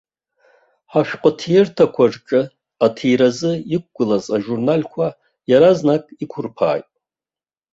Ҳашәҟәыҭирҭақәа рҿы аҭиразы иқәгылаз ажурналқәа иаразнак иқәырԥааит.